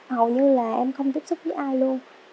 hầu như là em không tiếp xúc với ai luôn